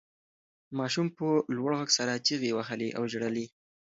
ماشوم په لوړ غږ سره چیغې وهلې او ژړل یې.